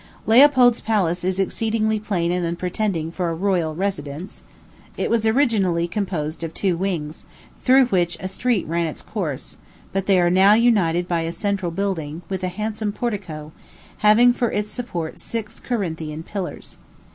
Leopold's Palace is exceedingly plain and unpretending for a royal residence. It was originally composed of two wings, through which a street ran its course; but they are now united by a central building, with a handsome portico, having for its support six Corinthian pillars.